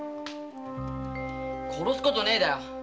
殺すことねえだよ